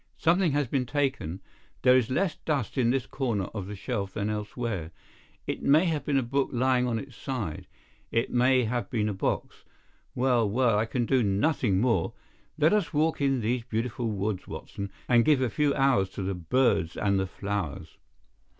"Something has been taken. There is less dust in this corner of the shelf than elsewhere. It may have been a book lying on its side. It may have been a box. Well, well, I can do nothing more. Let us walk in these beautiful woods, Watson, and give a few hours to the birds and the flowers.